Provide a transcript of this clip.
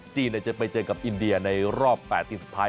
จะไปเจอกับอินเดียในรอบ๘ทีมสุดท้าย